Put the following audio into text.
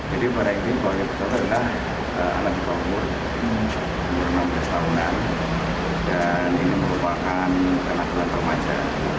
pria tersebut juga menantang jadinya berusia enam belas tahun dan merupakan anak anak termaja